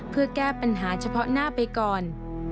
เพื่อแก้ปัญหาเฉพาะหน้าไปก่อน